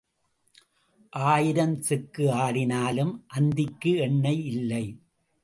ஆயிரம் செக்கு ஆடினாலும் அந்திக்கு எண்ணெய் இல்லை.